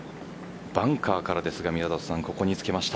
バンカーからですが宮里さん、ここにつけました。